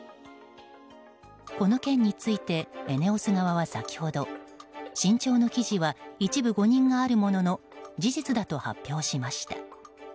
この件についてＥＮＥＯＳ側は先ほど「新潮」の記事は一部誤認があるものの事実だと発表しました。